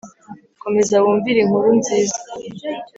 komeza wumvire inkuru nziza